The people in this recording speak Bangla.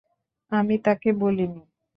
আমি তাকে বলিনি।